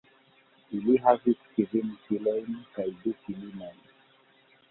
Ili havis kvin filojn kaj du filinojn.